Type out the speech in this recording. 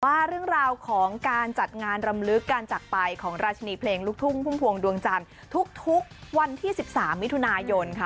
ว่าเรื่องราวของการจัดงานรำลึกการจักรไปของราชนีเพลงลูกทุ่งพุ่มพวงดวงจันทร์ทุกวันที่๑๓มิถุนายนค่ะ